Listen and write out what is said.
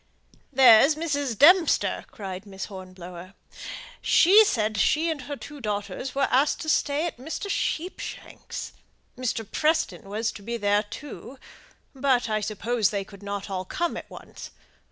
"There's Mrs. Dempster," cried Miss Hornblower; "she said she and her two daughters were asked to stay at Mr. Sheepshanks'. Mr. Preston was to be there, too; but I suppose they could not all come at once.